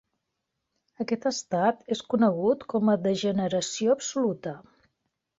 Aquest estat és conegut com a degeneració absoluta.